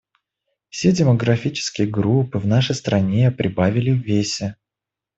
Все демографические группы в нашей стране прибавили в весе.